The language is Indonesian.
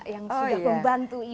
yang sudah membantu ini